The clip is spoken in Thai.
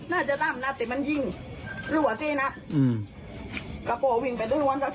น่าจะตามนัดแต่มันยิงรู้หว่าสินะอืมพ่อวิ่งไปด้วยวัน